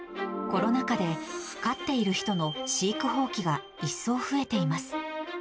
コロナ禍で、飼っている人の飼育放棄が一層増えています。